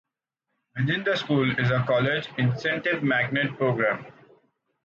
Within the school is a College Incentive Magnet Program.